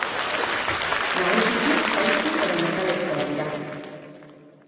Nagusiki kautxu edo metalezkoak dira.